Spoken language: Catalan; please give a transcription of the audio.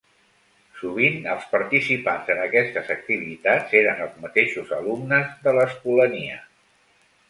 Sovint els participants en aquestes activitats eren els mateixos alumnes de l’escolania.